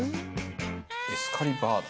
エスカリバーダ。